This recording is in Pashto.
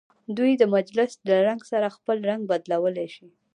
دوی د مجلس د رنګ سره خپل رنګ بدلولی شي.